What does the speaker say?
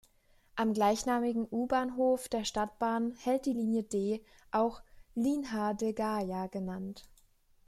Am gleichnamigen U-Bahnhof der Stadtbahn hält die Linie D, auch "Linha de Gaia" genannt.